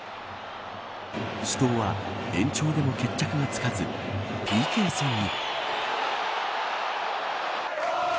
死闘は延長での決着がつかずＰＫ戦に。